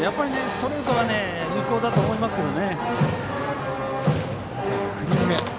ストレートが有効だと思いますけど。